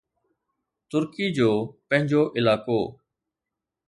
ترڪي جو پنهنجو علائقو